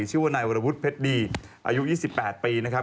ชื่อว่านายวรวุฒิเพชรดีอายุ๒๘ปีนะครับ